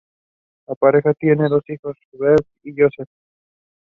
It was the biggest and bloodiest battle in the prefecture of Evros.